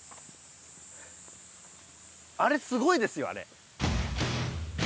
あれすごいですよあれ。